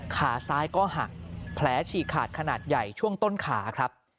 ขาซ้ายก็หักแผลฉีกขาดขนาดใหญ่ช่วงต้นขาครับ